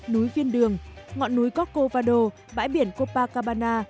núi viên đường ngọn núi cocco vado bãi biển copacabana